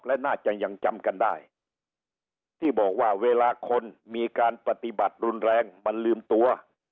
และน่าจะยังจำกันได้ที่บอกว่าเวลาคนมีการปฏิบัติรุนแรงมันลืมตัว